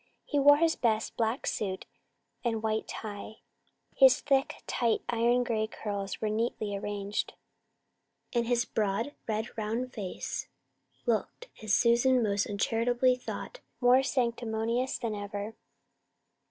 He wore his best black suit and white tie, his thick, tight, iron grey curls were neatly arranged, and his broad, red round face looked, as Susan most uncharitably thought, more "sanctimonious" than ever.